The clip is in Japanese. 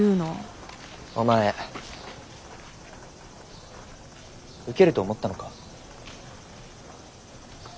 お前ウケると思ったのか？